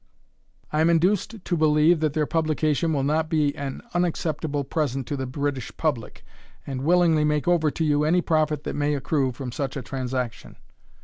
I am induced to believe that their publication will not be an unacceptable present to the British public; and willingly make over to you any profit that may accrue from such a transaction."